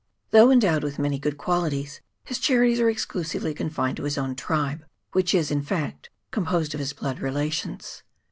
Though endowed with many good qualities, his charities are exclusively confined to his own tribe, which is, in fact, composed of his blood relations.